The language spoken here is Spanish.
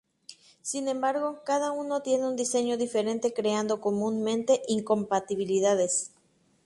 Sin embargo, cada uno tiene un diseño diferente creando comúnmente incompatibilidades.